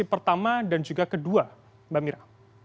pertama dan juga kedua mbak mira